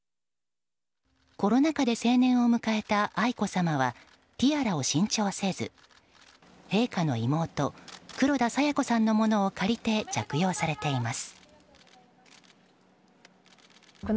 コロナ禍で成年を迎えた愛子さまはティアラを新調せず、陛下の妹黒田清子さんのものを借りて着用されています。